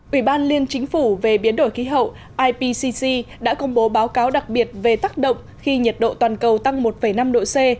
ủy ban liên chính phủ về biến đổi khí hậu ipc đã công bố báo cáo đặc biệt về tác động khi nhiệt độ toàn cầu tăng một năm độ c